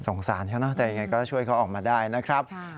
สงสารเขานะแต่ยังไงก็ช่วยเขาออกมาได้นะครับ